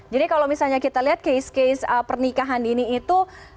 jadi kalau misalnya kita lihat case case pernikahan ini itu